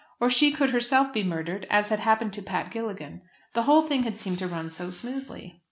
Or she could herself be murdered, as had happened to Pat Gilligan. The whole thing had seemed to run so smoothly!